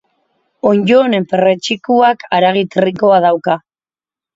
Onddo honen perretxikoak haragi trinkoa dauka.